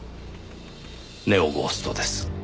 ネオゴーストです。